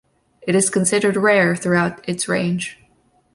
It is considered rare throughout its range.